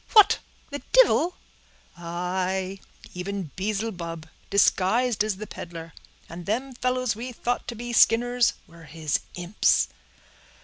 "What, the divil?" "Aye, even Beelzebub, disguised as the peddler; and them fellows we thought to be Skinners were his imps."